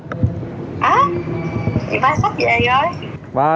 hả thì ba sắp về rồi